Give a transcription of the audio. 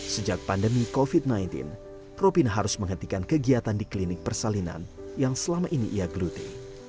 sejak pandemi covid sembilan belas ropin harus menghentikan kegiatan di klinik persalinan yang selama ini ia geluti